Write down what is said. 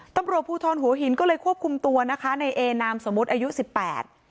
ตำรวจภูทรหัวหินก็เลยควบคุมตัวนะคะในเอนามสมมุติอายุสิบแปด